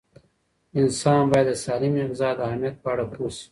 انسان باید د سالمې غذا د اهمیت په اړه پوه شي.